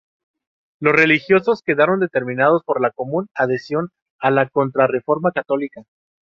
Los religiosos quedaron determinados por la común adhesión a la Contrarreforma católica.